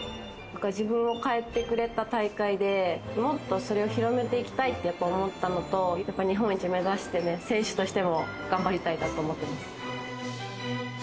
自分を変えてくれた大会で、もっとそれを広めていきたいって思ったのと、日本一目指して、選手としても頑張りたいなと思ってます。